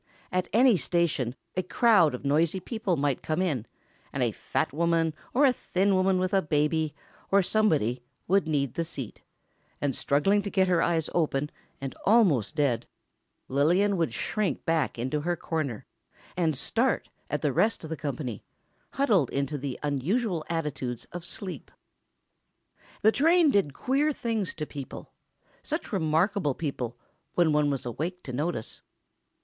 At any station a crowd of noisy people might come in, and a fat woman, or a thin woman with a baby, or somebody, would need the seat; and struggling to get her eyes open, and almost dead, Lillian would shrink back into her corner, and start at the rest of the company, huddled into the unusual attitudes of sleep. The train did queer things to people. Such remarkable people ... when one was awake to notice.